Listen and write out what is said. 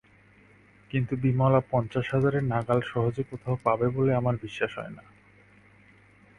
কিন্তু বিমলা পঞ্চাশ হাজারের নাগাল সহজে কোথাও পাবে বলে আমার বিশ্বাস হয় না।